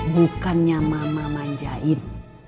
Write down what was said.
bukannya mama manjain